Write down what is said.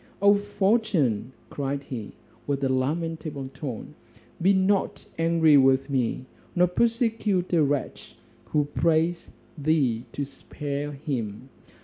"O fortune!" cried he, with a lamentable tone, "be not angry with me, nor persecute a wretch who prays thee to spare him.